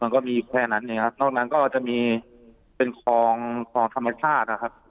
มันก็มีอยู่แค่นั้นเองครับนอกนั้นก็จะมีเป็นคลองคลองธรรมชาตินะครับ